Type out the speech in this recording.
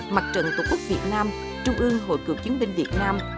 mặt trận tổ quốc việt nam trung ương hội cựu chiến binh việt nam